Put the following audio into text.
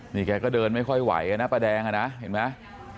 นี่แกก็เดินไม่ค่อยไหวนะป้าแดงอ่ะนะเห็นไหม